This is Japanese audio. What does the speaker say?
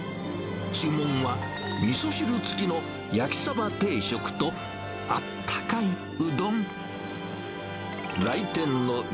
注文はみそ汁付きの焼鯖定食と、あったかいうどん。